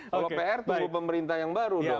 kalau pr tunggu pemerintah yang baru dong